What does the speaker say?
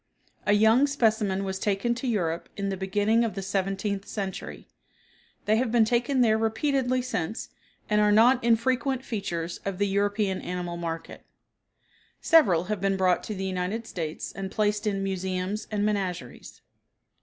A young specimen was taken to Europe in the beginning of the seventeenth century. They have been taken there repeatedly since and are not infrequent features of the European animal market. Several have been brought to the United States and placed in museums and menageries.